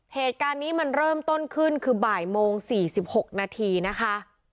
เหตุการณ์นี้มันเริ่มต้นขึ้นคือบ่ายโมง๔๖นาทีนะคะ